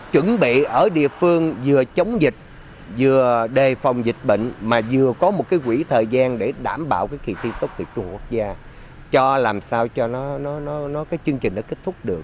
chuẩn bị ở địa phương vừa chống dịch vừa đề phòng dịch bệnh mà vừa có một cái quỹ thời gian để đảm bảo cái kỳ thi tốt tự trung quốc gia cho làm sao cho nó nó nó nó cái chương trình nó kết thúc được